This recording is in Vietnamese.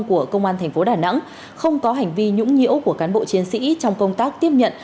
của công an thành phố đà nẵng không có hành vi nhũng nhiễu của cán bộ chiến sĩ trong công tác tiếp nhận